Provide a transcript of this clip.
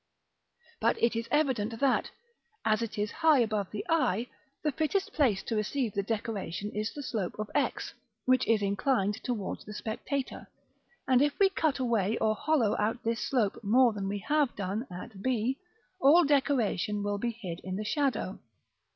But it is evident that, as it is high above the eye, the fittest place to receive the decoration is the slope of X, which is inclined towards the spectator; and if we cut away or hollow out this slope more than we have done at b, all decoration will be hid in the shadow.